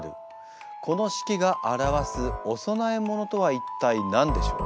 この式が表すお供え物とは一体何でしょう？